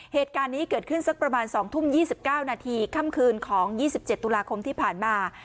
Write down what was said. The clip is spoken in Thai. เหตุการณ์นี้เกิดขึ้นสักประมาณ๒ทุ่ม๒๙นาทีค่ำคืนของ๒๗ตุลาคมที่ผ่านมา